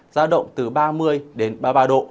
gia động từ ba mươi ba mươi ba độ